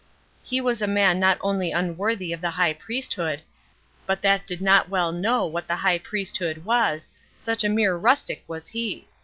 He was a man not only unworthy of the high priesthood, but that did not well know what the high priesthood was, such a mere rustic was he!